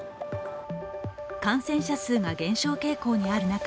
感染者数が減少傾向にある中